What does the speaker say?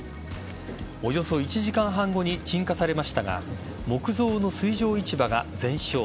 およそ１時間半後に鎮火されましたが木造の水上市場が全焼。